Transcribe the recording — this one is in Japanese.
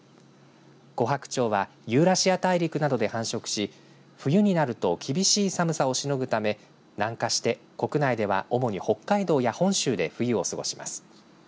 コハクチョウはユーラシア大陸などで繁殖し冬になると厳しい寒さをしのぐため南下して国内では主に北海道や本州で冬を過ごします。